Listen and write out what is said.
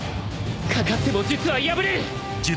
かかっても術は破れる！